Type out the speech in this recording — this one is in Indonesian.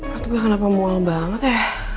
waktu kayak kenapa mual banget ya